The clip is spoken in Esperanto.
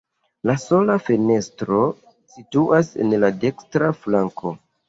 La sola fenestro situas en la dekstra flanko.